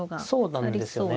そうなんですよね。